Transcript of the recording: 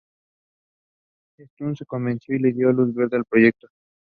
It was after his death continued by his widow Anne Rostrup.